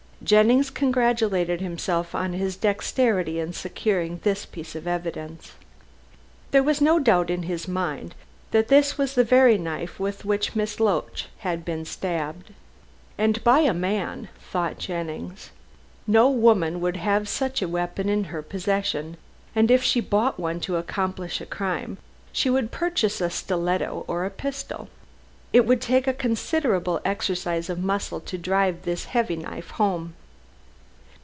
Jennings congratulated himself on his dexterity in securing this piece of evidence. There was no doubt in his mind that this was the very knife with which Miss Loach had been stabbed. "And by a man," thought Jennings. "No woman would have such a weapon in her possession; and if she bought one to accomplish a crime, she would purchase a stiletto or a pistol. It would take a considerable exercise of muscle to drive this heavy knife home."